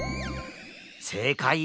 せいかいは？